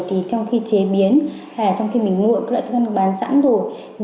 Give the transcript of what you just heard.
thì trong khi chế biến hay là trong khi mình mua các loại thức ăn bán sẵn rồi